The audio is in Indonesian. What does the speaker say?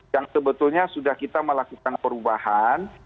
yang sebetulnya sudah kita melakukan perubahan